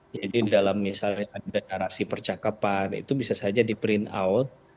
jadi dalam misalnya ada narasi percakapan itu bisa saja di print out